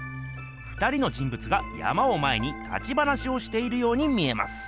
２人の人ぶつが山を前に立ち話をしているように見えます。